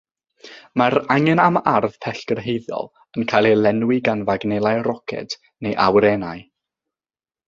Mae'r angen am arf pellgyrhaeddol yn cael ei lenwi gan fagnelau roced, neu awyrennau.